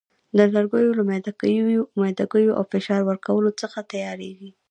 د لرګیو له میده ګیو او فشار ورکولو څخه تیاریږي.